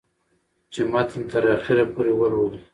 چې متن تر اخره پورې ولولي